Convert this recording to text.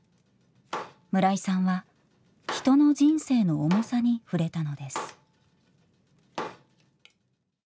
村井さんは人の人生の重さに触れたのです。